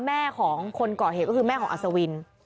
แม่ของคนก่อเหตุก็คือแม่ของอัศวิน